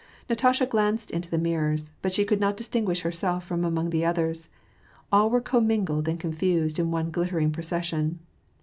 Natasha glanced into the mirrors, but she could not distin guish herself from among the others: all were commingled and confused in one glittering procession.